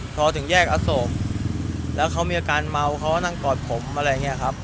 พอถึงแยกอโศกแล้วเขามีอาการเมาเขาก็นั่งกอดผมอะไรอย่างนี้ครับ